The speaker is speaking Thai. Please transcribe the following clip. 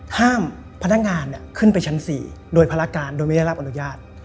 พนักงานขึ้นไปชั้น๔โดยภารการโดยไม่ได้รับอนุญาต